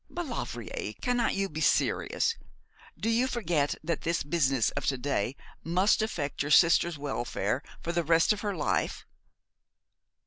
'Maulevrier, cannot you be serious? Do you forget that this business of to day must affect your sister's welfare for the rest of her life?'